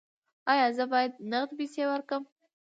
ایا زه باید نغدې پیسې ورکړم؟